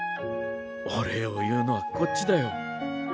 お礼を言うのはこっちだよ。